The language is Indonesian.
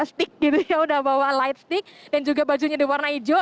stick gitu ya sudah bawa light stick dan juga bajunya ada warna hijau